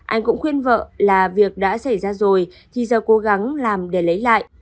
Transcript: anh cũng khuyên vợ là việc đã xảy ra rồi thì giờ cố gắng làm để lấy lại